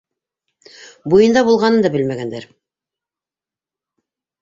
Буйында булғанын да белмәгәндәр.